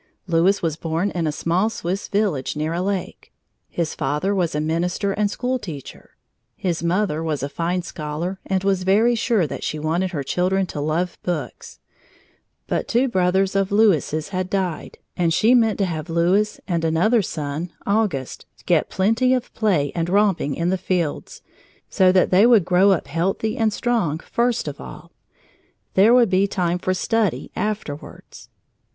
Louis was born in a small Swiss village near a lake. His father was a minister and school teacher. His mother was a fine scholar and was very sure that she wanted her children to love books, but two brothers of Louis's had died and she meant to have Louis and another son, Auguste, get plenty of play and romping in the fields so that they would grow up healthy and strong, first of all; there would be time for study afterwards.